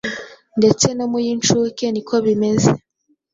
ndetse no muy’incuke niko bimeze.